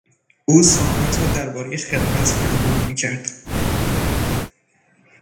او ساعتها دربارهی خلقت تعمق میکرد.